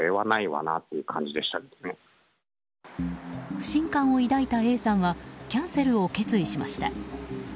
不信感を抱いたＡさんはキャンセルを決意しました。